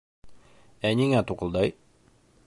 — Ә ниңә туҡылдай?